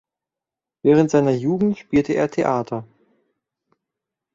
Während seiner Jugend spielte er Theater.